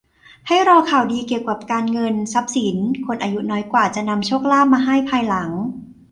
ให้รอข่าวดีเกี่ยวกับการเงิน ทรัพย์สิน คนอายุน้อยกว่าจะนำโชคลาภมาให้ภายหลัง